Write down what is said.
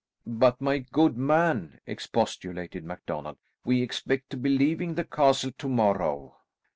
"But, my good man," expostulated MacDonald, "we expect to be leaving the castle to morrow."